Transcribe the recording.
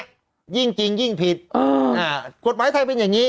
ยิ่งจริงยิ่งผิดกฎหมายไทยเป็นอย่างนี้